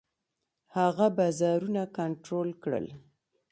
هغه بازارونه کنټرول کړل.